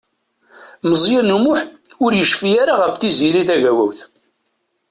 Meẓyan U Muḥ ur yecfi ara ɣef Tiziri Tagawawt.